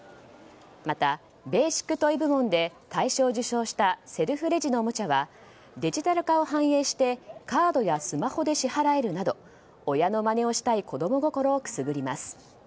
またベーシック・トイ部門で大賞を受賞したセルフレジのおもちゃはデジタル化を反映してカードやスマホで支払えるなど親のまねをしたい子供心をくすぐります。